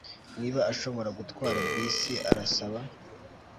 niba ashobora gutwara bisi Arasaba